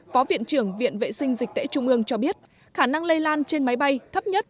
phó viện trưởng viện vệ sinh dịch tễ trung ương cho biết khả năng lây lan trên máy bay thấp nhất